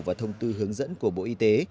và thông tư hướng dẫn của bộ y tế